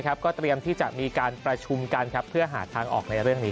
ก็เตรียมที่จะมีการประชุมกันเพื่อหาทางออกในเรื่องนี้